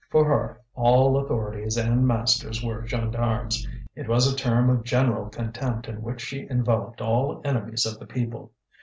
For her, all authorities and masters were gendarmes; it was a term of general contempt in which she enveloped all the enemies of the people.